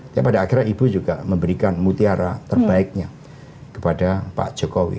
tapi pada akhirnya ibu juga memberikan mutiara terbaiknya kepada pak jokowi